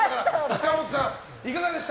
塚本さん、いかがでした？